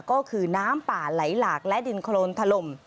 ก็คือน้ำป่าไหลหลากและดินโครนถล่ม